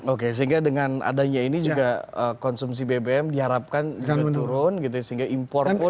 oke sehingga dengan adanya ini juga konsumsi bbm diharapkan juga turun gitu ya sehingga impor pun